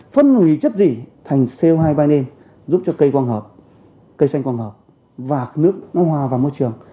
phân hủy chất dị thành co hai bài nêm giúp cho cây quang hợp cây xanh quang hợp và nước nó hòa vào môi trường